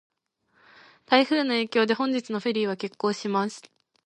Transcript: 台風の影響で、本日のフェリーは欠航します。